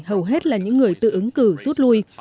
hầu hết là những người tự ứng cử rút lui